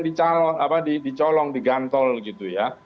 dicolong digantol gitu ya